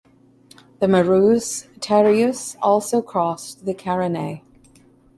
The Murus Terreus also crossed the Carinae.